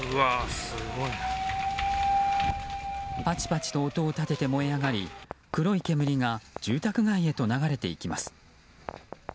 パチパチと音を立てて燃え上がり黒い煙が住宅街へと流れていきます。